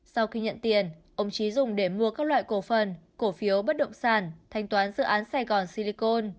sau khi nhận tiền ông trí dùng để mua các loại cổ phần cổ phiếu bất động sản thanh toán dự án sài gòn silicon